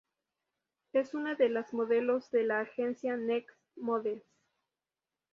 Es una de las modelos de la Agencia Next Models.